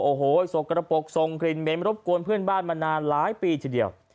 โอ้โหสกระปกส่งกลิ่นเหม็นรบกวนเพื่อนบ้านมานานหลายปีทีเดียว